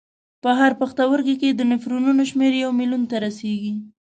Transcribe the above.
په هر پښتورګي کې د نفرونونو شمېر یو میلیون ته رسېږي.